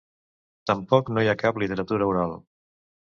Tampoc no hi ha cap literatura oral.